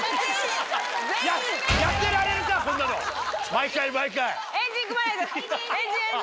毎回毎回！